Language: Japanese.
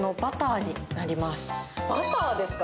バターですか？